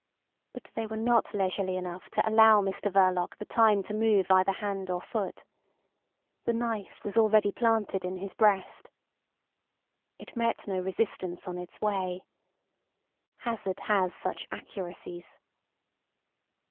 But they were not leisurely enough to allow Mr Verloc the time to move either hand or foot. The knife was already planted in his breast. It met no resistance on its way. Hazard has such accuracies.